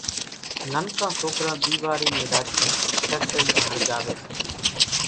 ننڪان سوڪران ۮيوارِي نِي راچين شرشريان ۿرڳاوي